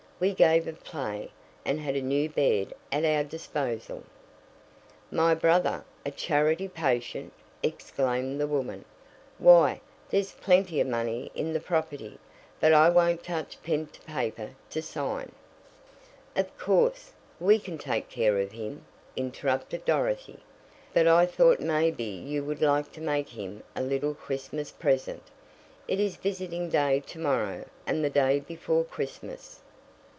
We gave a play, and had a new bed at our disposal." "My brother a charity patient!" exclaimed the woman. "Why, there's plenty of money in the property, but I won't touch pen to paper to sign " "Of course, we can take care of him," interrupted Dorothy; "but I thought maybe you would like to make him a little Christmas present it is visiting day to morrow and the day before Christmas."